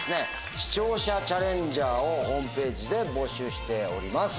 視聴者チャレンジャーをホームページで募集しております。